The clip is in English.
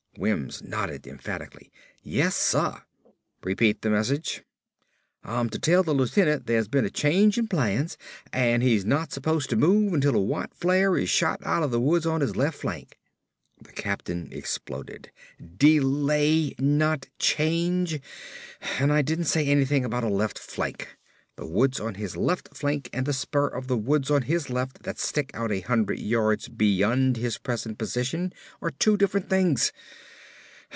Wims nodded emphatically, "Yes, suh!" "Repeat the message." "Ah'm to tell the lieutenant there's been a change in plans an' he's not supposed to move until a white flare is shot outta the woods on his left flank." The captain exploded. "Delay, not change! And I didn't say anything about a left flank! The woods on his left flank and the spur of woods on his left that stick out a hundred yards beyond his present position are two different things!